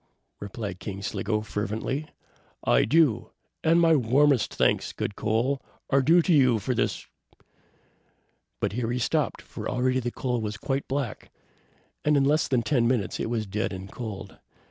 replied King Sligo, fervently, "I do, and my warmest thanks, good Coal, are due to you for this " But here he stopped, for already the coal was quite black, and in less than ten minutes it was dead and cold.